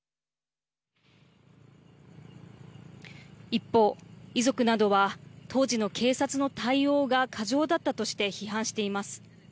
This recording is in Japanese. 一方遺族などは当時の警察の対応が過剰だったとして批判しています。